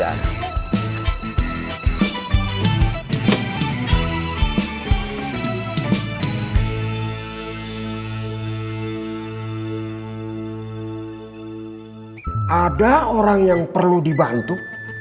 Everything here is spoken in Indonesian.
ada orang yang perlu dibantu